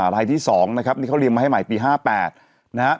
รายที่๒นะครับนี่เขาเรียมมาให้ใหม่ปี๕๘นะครับ